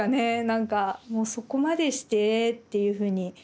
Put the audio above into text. なんかもうそこまでしてっていうふうに。